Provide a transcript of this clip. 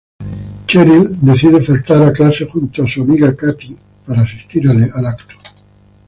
Cheryl decide faltar a clase junto a su amiga Kathy para asistir al evento.